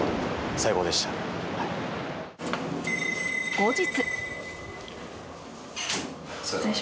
後日。